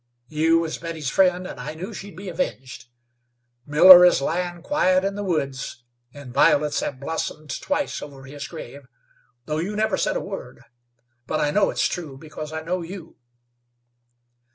You was Betty's friend, and I knew she'd be avenged. Miller is lyin' quiet in the woods, and violets have blossomed twice over his grave, though you never said a word; but I know it's true because I know you."